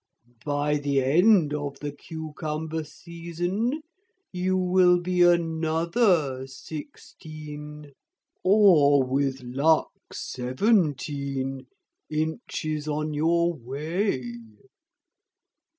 By the end of the cucumber season you will be another sixteen or with luck seventeen inches on your way.